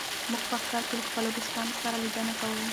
موږ په اختر کې له خپلو دوستانو سره لیدنه کوو.